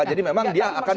jadi memang dia akan